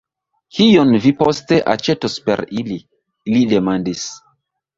Kion vi poste aĉetos per ili? li demandis.